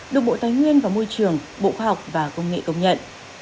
đồng bộ tái nguyên và môi trường bộ khoa học và công nghệ công nhận